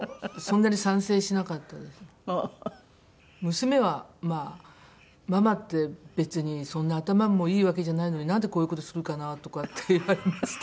娘はまあ「ママって別にそんな頭もいいわけじゃないのになんでこういう事するかな」とかって言われました。